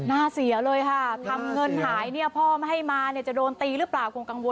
หน้าเสียเลยค่ะทำเงินหายพ่อให้มาจะโดนตีหรือเปล่า